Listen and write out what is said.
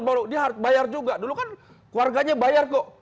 dulu kan keluarganya bayar kok